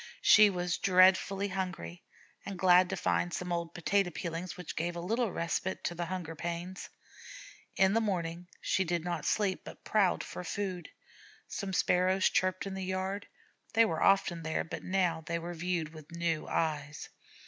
She was dreadfully hungry, and glad to find some old potato peelings, which gave a little respite from the hunger pang. In the morning she did not sleep, but prowled for food. Some Sparrows chirruped in the yard. They were often there, but now they were viewed with new eyes.